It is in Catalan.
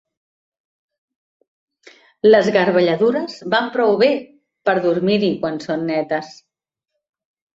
Les garbelladures van prou bé per dormir-hi quan són netes